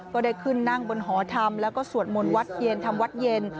ก็ได้ขึ้นนั่งบนหอธรรมแล้วก็สวดมนต์วัดเย็นทำวัดเย็น